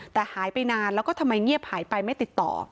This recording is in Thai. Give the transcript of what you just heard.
แต่หายไปนานแล้วก็ทำไมเงียบหายไปไม่ติดต่อ